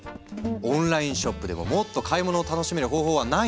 オンラインショップでももっと買い物を楽しめる方法はないの？